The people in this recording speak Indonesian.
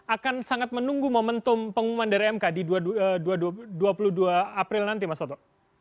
akan sangat menunggu momentum pengumuman dari mk di dua puluh dua april nanti mas soto